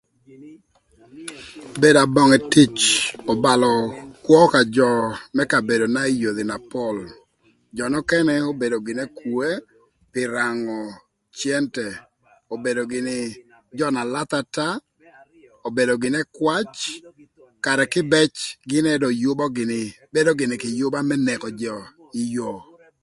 Bedo abonge tic öbalö kwö ka jö më kabedona ï yodhi na pol. Jö nökënë obedo gïnï ekwoe pï rangö cëntë, obedo gïnï jö na lathö ata, obedo gïnï ëkwac ï karë kïbëc gïn ënë dong yübö gïnï bedo gïnï kï yüba më neko jö ï yoo